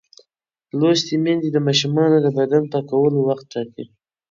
لوستې میندې د ماشومانو د بدن پاکولو وخت ټاکي.